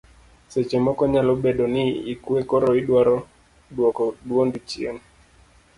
seche moko nyalo bedo ni ikwe koro idwaro duoko duondi chien